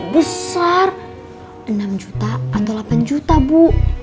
besar enam juta atau delapan juta bu